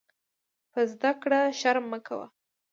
په زده کړه شرم مه کوۀ.